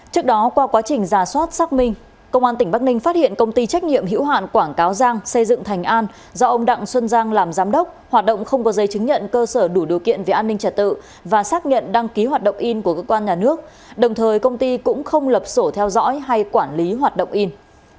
trước đó qua quá trình giả soát xác minh công an tỉnh bắc ninh phát hiện công ty trách nhiệm hữu hạn quảng cáo giang xây dựng thành an do ông đặng xuân giang làm giám đốc hoạt động không có giấy chứng nhận cơ sở đủ điều kiện về an ninh trả tự và xác nhận đăng ký hoạt động in của cơ quan nhà nước đồng thời công ty cũng không lập sổ theo dõi hay quản lý hoạt động in